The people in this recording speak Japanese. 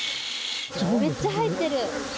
めっちゃ入ってる。